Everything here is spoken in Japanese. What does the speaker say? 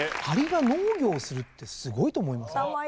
アリが農業をするってすごいと思いません？